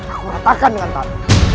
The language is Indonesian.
aku ratakan dengan tuhan